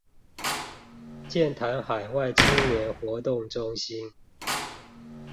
劍潭海外青年活動中心